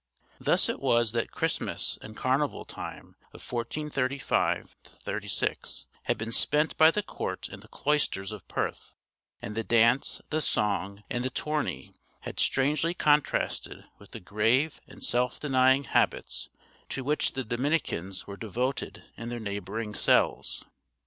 Thus it was that Christmas and Carnival time of 1435 6 had been spent by the court in the cloisters of Perth, and the dance, the song, and the tourney had strangely contrasted with the grave and self denying habits to which the Dominicans were devoted in their neighboring cells.